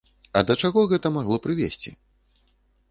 А да чаго гэта магло прывесці?